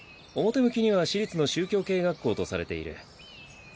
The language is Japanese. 表向きには私立の宗教系学校とされている。